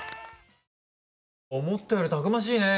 思ったよりたくましいね。